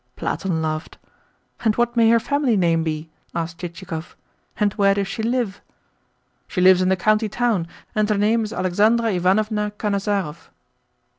Platon laughed. "And what may her family name be?" asked Chichikov. "And where does she live?" "She lives in the county town, and her name is Alexandra Ivanovna Khanasarov."